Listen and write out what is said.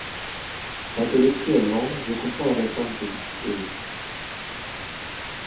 Intellectuellement, je comprends la réforme que vous proposez.